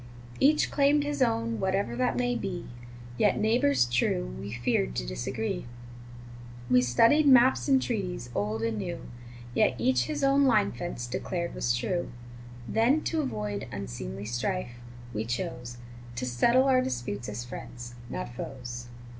Each claimed his own, whatever that may be, Yet, neighbors true, we feared to disagree. We studied maps and treaties old and new, Yet each his own line fence declared was true; Then, to avoid unseemly strife, we chose To settle our dispute as friends, not foes.